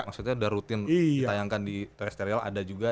maksudnya udah rutin ditayangkan di triesteril ada juga